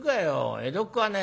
江戸っ子はね